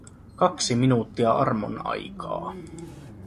Kaksi minuuttia armon aikaa.